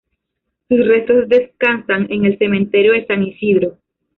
Sus restos descansan en el Cementerio de San Isidro.